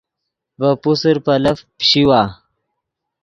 ڤے پوسر پیلف پیشیوا